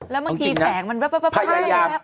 แล้วบางทีแสงมันแป๊บแป๊บ